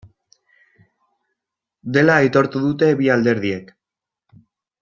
Dela aitortu dute bi alderdiek.